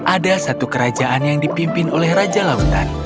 ada satu kerajaan yang dipimpin oleh raja lautan